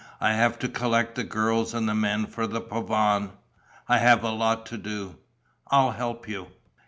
I have to collect the girls and the men for the pavane. I have a lot to do...." "I'll help you...."